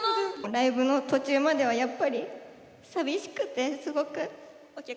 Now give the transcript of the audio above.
ライブの途中まではやっぱり寂しくてすごくお客さんいないのが。